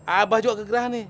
abah juga kegerahan nih